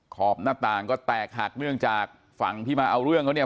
ขอบหน้าต่างก็แตกหักเนื่องจากฝั่งที่มาเอาเรื่องเขาเนี่ย